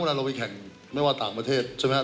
เราไปแข่งไม่ว่าต่างประเทศใช่ไหม